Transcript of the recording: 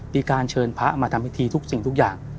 มีการเชิญพระมาทำพิธีทุกสิ่งทุกอย่าง